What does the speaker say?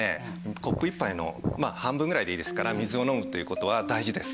コップ１杯の半分ぐらいでいいですから水を飲むっていう事は大事です。